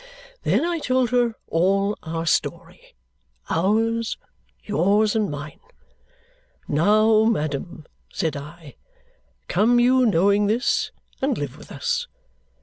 Then I told her all our story ours yours and mine. 'Now, madam,' said I, 'come you, knowing this, and live with us.